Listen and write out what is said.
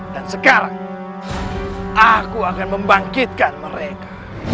dan sekarang aku akan membangkitkan mereka